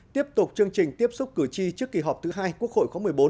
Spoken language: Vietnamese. tiếp tục chương trình tiếp xúc cử tri trước kỳ họp thứ hai quốc hội khóa một mươi bốn